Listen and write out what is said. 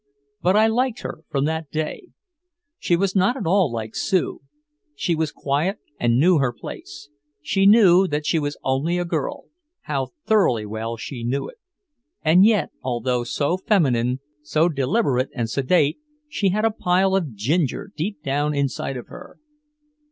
But I liked her from that day. She was not at all like Sue. She was quiet and knew her place. She knew that she was only a girl, how thoroughly well she knew it. And yet, although so feminine, so deliberate and sedate, she had "a pile of ginger" deep down inside of her.